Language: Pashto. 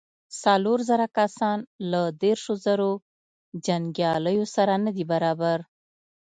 څلور زره کسان له دېرشو زرو جنګياليو سره نه دې برابر.